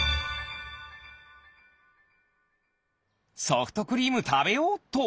ソフトクリームたべようっと！